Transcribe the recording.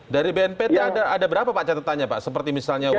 dari bnpt ada berapa pak catatannya pak seperti misalnya wni